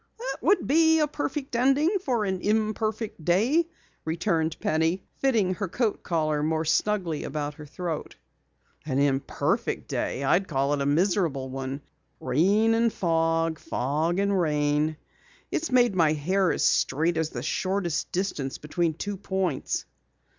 "That would be a perfect ending for an imperfect day," returned Penny, fitting her coat collar more snugly about her throat. "An imperfect day! I call it a miserable one. Rain and fog! Rain and fog! It's made my hair as straight as the shortest distance between two points."